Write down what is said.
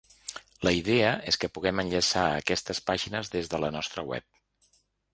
La idea és que puguem enllaçar a aquestes pàgines des de la nostra web.